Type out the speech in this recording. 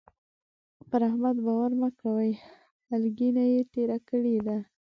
پر احمد باور مه کوئ؛ هلکينه يې تېره کړې ده.